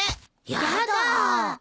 やだ。